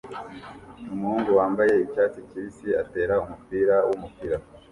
Umuhungu wambaye icyatsi kibisi atera umupira wumupira